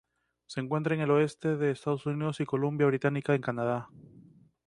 Se encuentra en el oeste de Estados Unidos y Columbia Británica en Canadá.